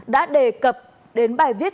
đã đề cập đến bài viết